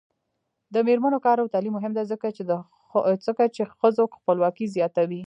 د میرمنو کار او تعلیم مهم دی ځکه چې ښځو خپلواکي زیاتوي.